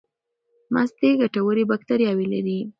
مستې ګټورې باکتریاوې لري.